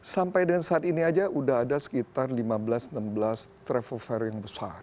sampai dengan saat ini aja udah ada sekitar lima belas enam belas travel fair yang besar